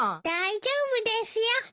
大丈夫ですよ。